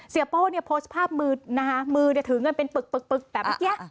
เสียโป้โพสต์ภาพมือมือถือเงินเป็นปึกแบบนี้